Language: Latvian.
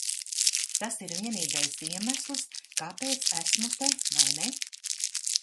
Tas ir vienīgais iemesls, kāpēc esmu te, vai ne?